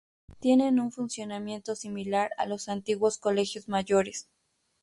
Tienen un funcionamiento similar a los antiguos colegios mayores.